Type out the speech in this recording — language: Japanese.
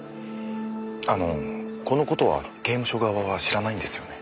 あのこのことは刑務所側は知らないんですよね？